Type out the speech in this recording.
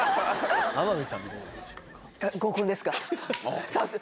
天海さんどうなんでしょうか？